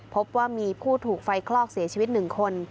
พบว่ามีผู้ถูกไฟคลอกเสียชีวิต๑คน